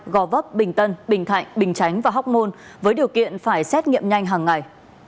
gò vấp bình tân bình thạnh bình chánh và hóc môn với điều kiện phải xét nghiệm nhanh hàng ngày